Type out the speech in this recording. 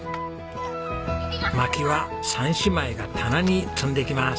まきは三姉妹が棚に積んでいきます。